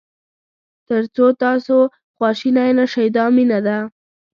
تر څو تاسو خواشینی نه شئ دا مینه ده.